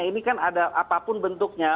ini kan ada apapun bentuknya